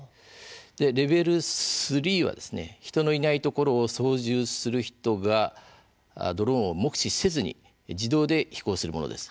レベル３は人のいないところを操縦する人がドローンを目視せずに自動で飛行するものです。